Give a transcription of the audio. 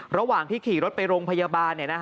ระหว่างที่ขี่รถไปโรงพยาบาล